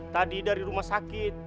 tadi dari rumah sakit